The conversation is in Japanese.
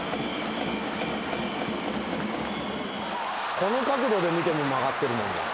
この角度で見ても曲がってるもんな。